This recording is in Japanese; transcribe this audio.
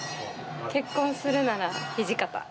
結婚するなら土方。